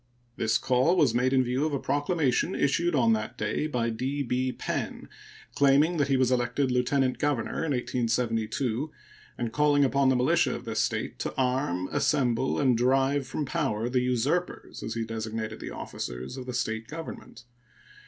This call was made in view of a proclamation issued on that day by D. B. Penn, claiming that he was elected lieutenant governor in 1872, and calling upon the militia of the State to arm, assemble, and drive from power the usurpers, as he designated the officers of the State government.